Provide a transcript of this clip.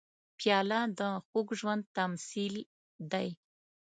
پیاله د خوږ ژوند تمثیل دی.